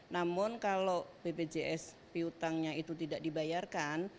namun kalau bpjs piutangnya itu tidak dibayarkan